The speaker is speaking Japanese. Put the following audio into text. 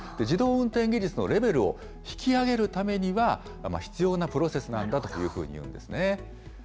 自動運転技術のレベルを引き上げるためには、必要なプロセスなんだというふうにいうんですね。